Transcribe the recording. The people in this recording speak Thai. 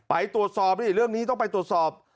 ไปตรวจสอบดิเรื่องนี้ต้องไปตรวจสอบ